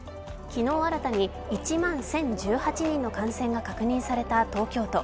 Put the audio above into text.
昨日新たに１万１０１８人の感染が確認された東京都。